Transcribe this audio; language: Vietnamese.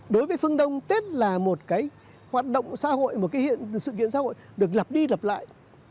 đối với phương đông tết là một cái hoạt động xã hội một cái sự kiện xã hội được lặp đi lặp lại